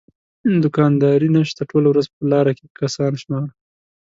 دوکانداري نشته ټوله ورځ په لاره کسان شمارو.